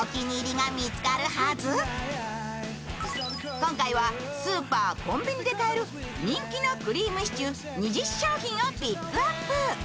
今回はスーパー・コンビニで買える人気のクリームシチュー２０商品をピックアップ。